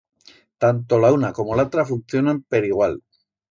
Tanto la uno como l'atra funcionan per igual.